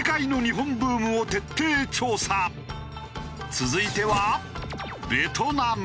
続いては。